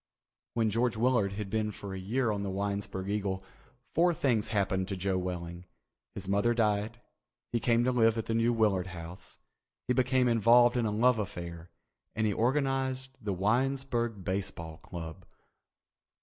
When George Willard had been for a year on the Winesburg Eagle, four things happened to Joe Welling. His mother died, he came to live at the New Willard House, he became involved in a love affair, and he organized the Winesburg Baseball Club.